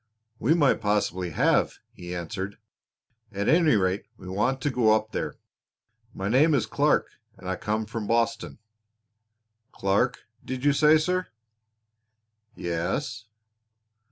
"We might possibly have," he answered. "At any rate we want to go up there. My name is Clark and I come from Boston." "Clark, did you say, sir?" "Yes."